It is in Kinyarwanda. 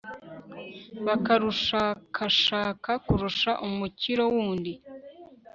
bakarushakashaka kurusha umukiro wundi